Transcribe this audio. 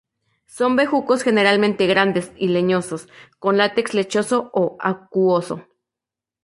Son bejucos generalmente grandes y leñosos, con látex lechoso o acuoso.